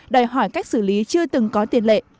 đòi hỏi cách xử lý chưa từng có tiền lệ